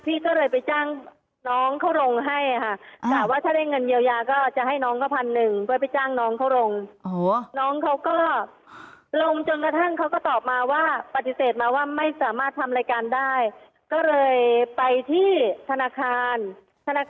พี่ก็เลยไปจ้างน้องเขาลงให้ค่ะถามว่าถ้าได้เงินเยียวยาก็จะให้น้องก็พันหนึ่งไปจ้างน้องเขาลง